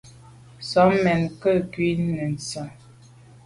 Sàm mèn ke’ ku’ nesian.